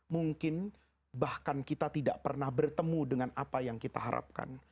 mungkin bahkan kita tidak pernah bertemu dengan apa yang kita harapkan